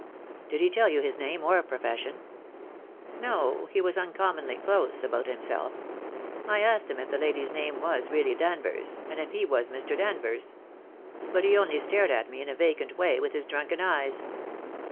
"Did he tell you his name or profession?" "No, he was uncommonly close about himself. I asked him if the lady's name was really Danvers, and if he was Mr. Danvers; but he only stared at me in a vacant way with his drunken eyes.